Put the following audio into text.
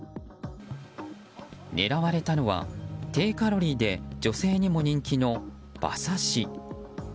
狙われたのは、低カロリーで女性にも人気の馬刺し。